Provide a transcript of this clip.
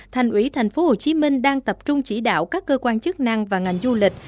thành ủy thành phố hồ chí minh đang tập trung chỉ đạo các cơ quan chức năng và ngành du lịch